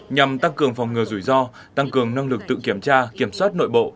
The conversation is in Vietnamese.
nhằm tăng cường phòng ngừa rủi ro tăng cường năng lực tự kiểm tra kiểm soát nội bộ